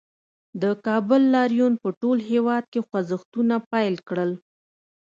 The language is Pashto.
د کابل لاریون په ټول هېواد کې خوځښتونه پیل کړل